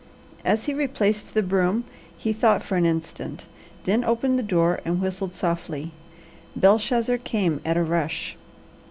As he replaced the broom he thought for an instant, then opened the door and whistled softly. Belshazzar came at a rush.